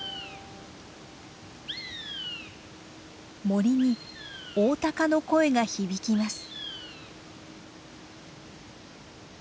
森にオオタカの声が響きます。